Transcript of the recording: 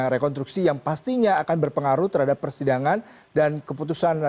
rekonstruksi yang pastinya akan berpengaruh terhadap persidangan dan keputusan